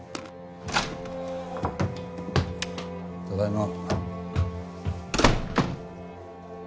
ただいま。